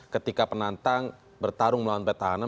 ketika penantang bertarung melawan petahana